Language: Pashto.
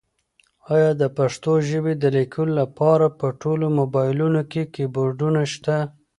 ایا د پښتو ژبې د لیکلو لپاره په ټولو مبایلونو کې کیبورډونه شته؟